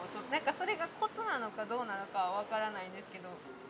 それがコツなのかどうなのかはわからないんですけど。